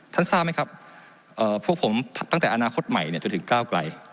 ทราบไหมครับพวกผมตั้งแต่อนาคตใหม่จนถึงก้าวไกล